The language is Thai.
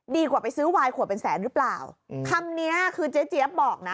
กว่าไปซื้อวายขวดเป็นแสนหรือเปล่าคำเนี้ยคือเจ๊เจี๊ยบบอกนะ